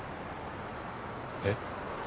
えっ？